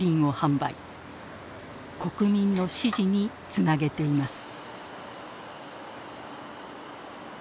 国民の支持につなげています。